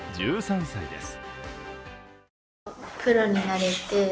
１３歳です。